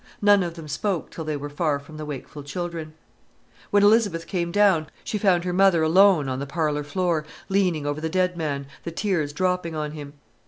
None of them spoke till they were far from the wakeful children. When Elizabeth came down she found her mother alone on the parlour floor, leaning over the dead man, the tears dropping on him.